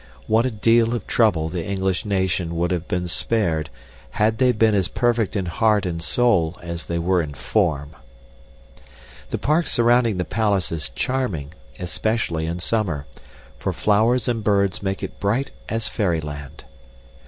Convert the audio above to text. What a deal of trouble the English nation would have been spared had they been as perfect in heart and soul as they were in form! The park surrounding the palace is charming, especially in summer, for flowers and birds make it bright as fairyland.